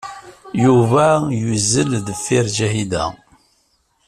Yuba yuzzel deffir Ǧahida.